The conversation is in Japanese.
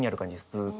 ずっと。